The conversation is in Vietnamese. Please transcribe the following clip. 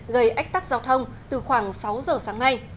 gây ách tắc giao thông từ khoảng sáu giờ sáng nay